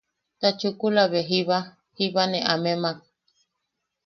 Ta chukula be jiba... jiba ne amemak...